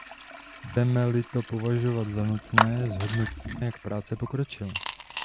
Budeme-li to považovat za nutné, zhodnotíme, jak práce pokročila.